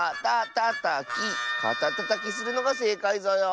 かたたたきするのがせいかいぞよ。